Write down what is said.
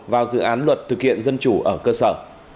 vào dự án luật thực hiện dân chủ ở cơ sở